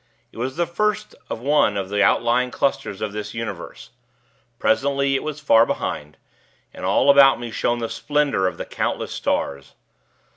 It was the first of one of the outlying clusters of this universe. Presently, it was far behind, and all about me shone the splendor of the countless stars.